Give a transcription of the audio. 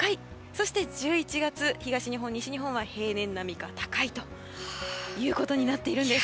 そして１１月東日本、西日本は平年並みか高いということになっているんです。